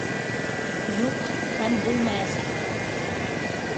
Юҡ һәм булмаясаҡ та.